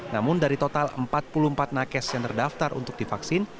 namun dari total empat puluh empat nakes yang terdaftar untuk divaksin